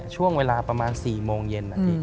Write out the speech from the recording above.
ช่วงเวลาประมาณ๔โมงเย็น